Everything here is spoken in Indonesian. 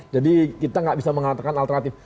jadi kita nggak bisa mengatakan alternatif